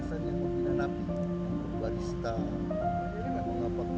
pelanggaran yang di depan bukit tadewa apa pak